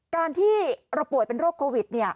การที่เราป่วยเป็นโรคโควิด